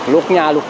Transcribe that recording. lục nhà lục cửa hết